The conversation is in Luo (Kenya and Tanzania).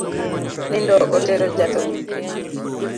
Nindo otero jathum